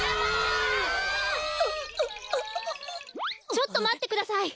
ちょっとまってください。